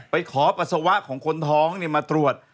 ไปขอปัสสาวะของคนท้องมาตรวจ